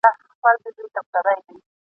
تور دېوان د شپې راغلي د رڼا سر یې خوړلی !.